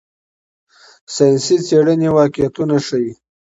ساینسي څېړنې واقعیتونه ښيي.